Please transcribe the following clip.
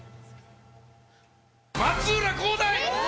松浦航大！